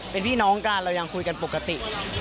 เป็นพี่น้องกันเรายังคุยกันปกติ